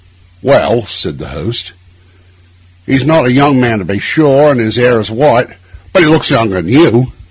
'Well,' said the host, 'he's not a young man, to be sure, and his hair is white; but he looks younger than you.